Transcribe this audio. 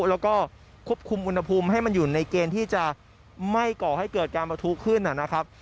แล้วก็ควบคุมอุณหภูมิให้มันอยู่ในเกณฑ์ที่จะไม่ก่อให้เกิดการประทุขึ้นนะครับ